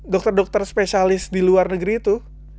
dokter dokter spesialis di luar negeri itu